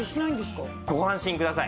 ご安心ください。